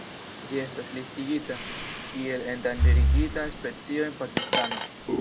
Ĝi estas listigita kiel endanĝerigita specio en Pakistano.